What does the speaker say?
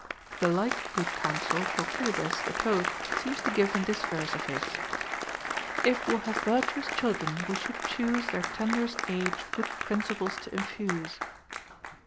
* The like good counsel Phocylides, the poet, seems to give in this verse of his :— If we'll have virtuous children, we should choose Their tenderest age good principles to infuse.